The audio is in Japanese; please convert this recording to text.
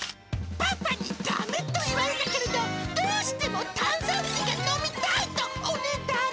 パパにだめと言われたけれど、どうしても炭酸水が飲みたいとおねだり。